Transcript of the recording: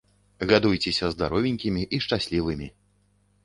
Гадуйцеся здаровенькімі і шчаслівымі!